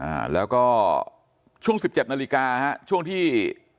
อ่าแล้วก็ช่วง๑๗นาฬิกาฮะช่วงที่